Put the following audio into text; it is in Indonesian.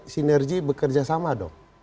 sinergi bekerja sama dong